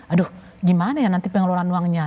aduh gimana ya nanti pengelolaan uangnya